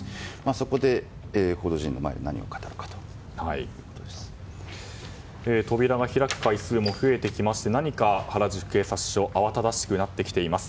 そこで報道陣の前で扉が開く回数も増えてきまして何か原宿警察署慌ただしくなってきています。